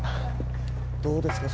どうですか？